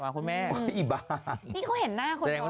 นี่เขาเห็นหน้าคนดวงไหม